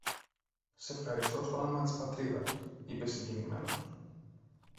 Σ' ευχαριστώ στ' όνομα της Πατρίδας, είπε συγκινημένος.